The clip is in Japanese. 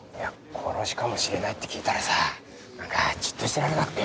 殺しかもしれないって聞いたらさ何かじっとしてられなくてよ。